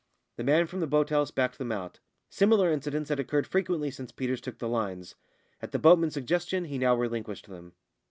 The man from the boat house backed them out. Similar incidents had occurred frequently since Peters took the lines. At the boatman's suggestion he now relinquished them.